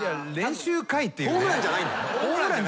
ホームランじゃないんだよね。